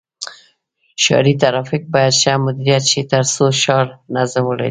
ښاري ترافیک باید ښه مدیریت شي تر څو ښار نظم ولري.